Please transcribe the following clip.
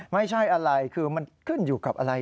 ไม่ใช่อะไรคือมันขึ้นอยู่กับอะไร